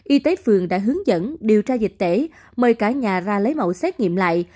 y tế phường đã hướng dẫn điều tra dịch tễ mời cả nhà ra lấy mẫu xét nghiệm lại